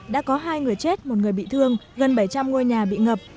đã có hai người chết một người bị thương gần bảy trăm linh ngôi nhà bị ngập